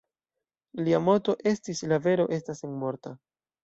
Lia moto estis "La vero estas senmorta".